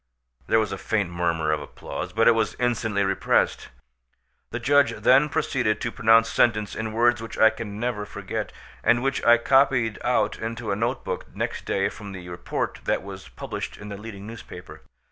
There was a faint murmur of applause, but it was instantly repressed. The judge then proceeded to pronounce sentence in words which I can never forget, and which I copied out into a note book next day from the report that was published in the leading newspaper.